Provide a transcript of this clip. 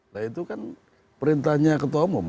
nah itu kan perintahnya ketua umum